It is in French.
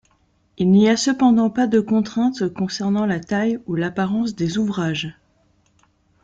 Il n’y a cependant pas de contraintes concernant la taille ou l’apparence des ouvrages.